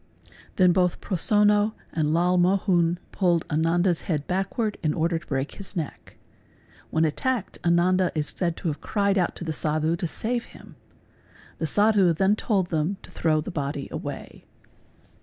Then both Prosonno and Lal Mohun pulled Ananda's head backward in order to break his neck. When attacked Ananda is" said to have cried out to the Sadhu to save him. The Sadhu then told them to throw the body away.